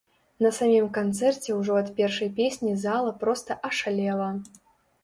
На самім канцэрце ўжо ад першай песні зала проста ашалела.